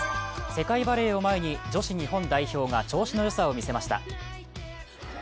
世界バレーを前に女子日本代表が調子のよさを見せました。